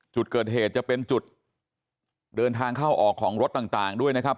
จุดเกิดเหตุจะเป็นจุดเดินทางเข้าออกของรถต่างด้วยนะครับ